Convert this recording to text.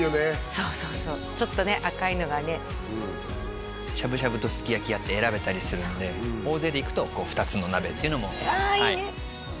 そうそうそうちょっとね赤いのがねしゃぶしゃぶとすき焼きあって選べたりするので大勢で行くと２つの鍋ってのもああいいね